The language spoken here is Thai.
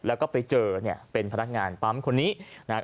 แล้วไปเจอเป็นพนักงานปั้มคนนี้นะฮะ